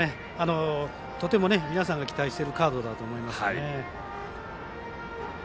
とても皆さんが期待しているカードだと思いますね。